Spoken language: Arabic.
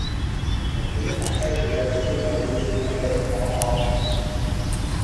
الطيور تحتاج للجاذبية الأرضية لتتمكن من ابتلاع طعامها.